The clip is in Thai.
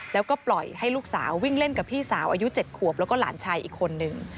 แล้วก็ปล่อยให้ลูกสาววิ่งเล่นกับพี่สาวอายุ๗ขวบแล้วก็หลานชายอีกคนนึง